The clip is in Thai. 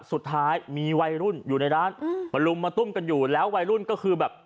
สุดท้ายมีวัยรุ่นอยู่ในร้านอืมมาลุมมาตุ้มกันอยู่แล้ววัยรุ่นก็คือแบบ